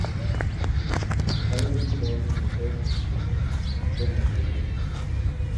Awendi baame amitwogikyuk kotomo kouryo